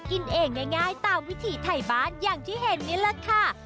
กินเองง่ายตามวิถีไทยบ้านอย่างที่เห็นนี่แหละค่ะ